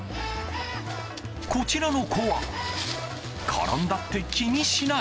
こちらの子は転んだって気にしない。